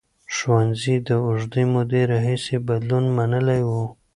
ښوونځي د اوږدې مودې راهیسې بدلون منلی و.